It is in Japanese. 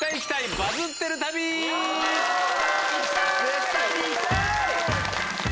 絶対に行きたい！